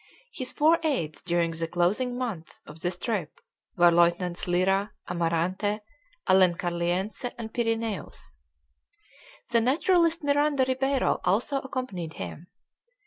His four aides during the closing months of this trip were Lieutenants Lyra, Amarante, Alencarliense, and Pyrineus. The naturalist Miranda Ribeiro also accompanied him.